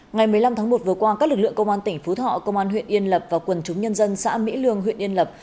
ngày một mươi năm tháng một vừa qua các lực lượng công an tỉnh phú thọ công an huyện yên lập và quần chúng nhân dân xã mỹ lương huyện yên lập